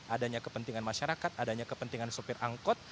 adanya kepentingan masyarakat adanya kepentingan sopir angkot